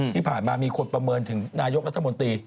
ที่ผ่านมามีคนประเมินถึงนายกรัฐมนตรี